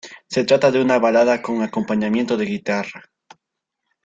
Se trata de una balada con acompañamiento de guitarra.